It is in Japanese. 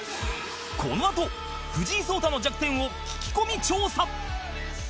このあと藤井聡太の弱点を聞き込み調査！